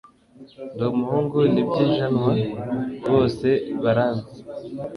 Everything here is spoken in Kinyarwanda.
ndi umuhungu ntibyijanwa bose baranzi